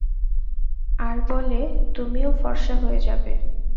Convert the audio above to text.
আর বলে তুমিও ফর্সা হয়ে যাবে।